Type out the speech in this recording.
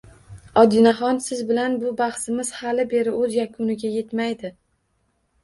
Odinaxon siz bilan bu bahsizmiz xali beri o’z yakuniga yetmaydi.